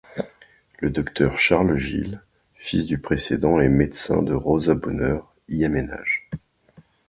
Le docteur Charles Gilles, fils du précédent et médecin de Rosa Bonheur, y aménage.